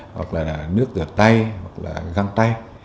hoặc là nước rửa tay hoặc là găng tay